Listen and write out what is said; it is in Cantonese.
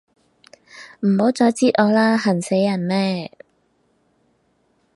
唔好再擳我啦，痕死人咩